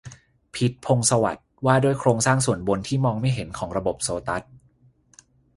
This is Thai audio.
พิชญ์ พงษ์สวัสดิ์ : ว่าด้วยโครงสร้างส่วนบน ที่มองไม่เห็น ของระบบโซตัส